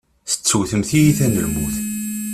Tettewtem tiyita n lmut.